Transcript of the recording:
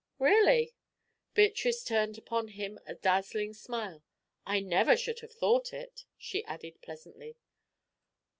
"Really?" Beatrice turned upon him a dazzling smile. "I never should have thought it," she added pleasantly.